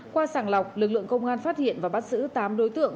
qua sàng lọc lực lượng công an phát hiện và bắt giữ tám đối tượng